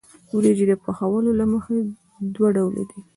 وریجې د پخولو له مخې دوه ډوله دي.